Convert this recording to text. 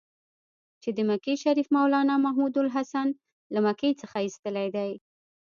چې د مکې شریف مولنا محمودحسن له مکې څخه ایستلی دی.